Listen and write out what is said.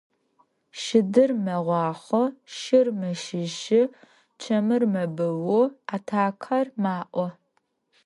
Щыдыр мэгъуахъо, шыр мэщыщы, чэмыр мэбыу, атакъэр маӀо.